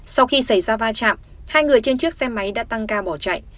sau khi xảy ra va chạm hai người trên chiếc xe máy đã tăng ca bỏ chạy